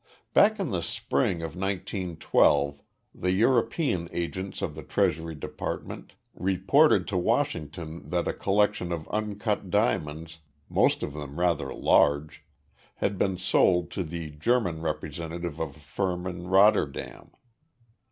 Back in the spring of nineteen twelve the European agents of the Treasury Department reported to Washington that a collection of uncut diamonds, most of them rather large, had been sold to the German representative of a firm in Rotterdam.